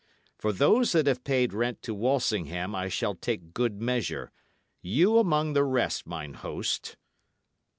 For those that have paid rent to Walsingham I shall take good measure you among the rest, mine host."